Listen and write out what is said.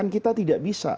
kita tidak bisa